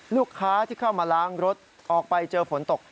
ลูกค้าที่เข้ามาล้างรถออกไปเจอฝนตก